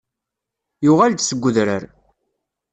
Yuɣal-d seg udrar.